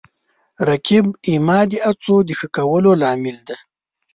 رقیب زما د هڅو د ښه کولو لامل دی